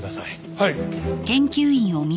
はい。